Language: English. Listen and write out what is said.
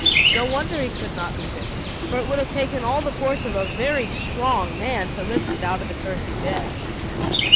No wonder he could not move it; for it would have taken all the force of a very strong man to lift it out of its earthy bed.